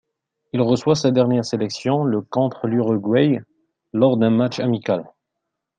Il reçoit sa dernière sélection le contre l'Uruguay lors d'un match amical.